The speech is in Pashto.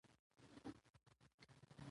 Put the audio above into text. دحضرت ادم عليه السلام قايم مقام وي .